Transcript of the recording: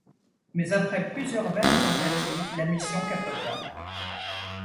Mais après plusieurs vaines tentatives, la mission capota.